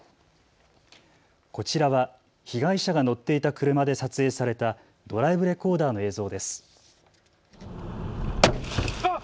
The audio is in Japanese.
こちらは被害者が乗っていた車で撮影されたドライブレコーダーの映像です。